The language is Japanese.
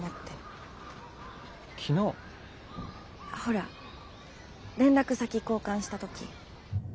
ほら連絡先交換した時。